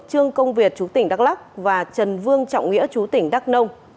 trương công việt chú tỉnh đắk lắc và trần vương trọng nghĩa chú tỉnh đắk nông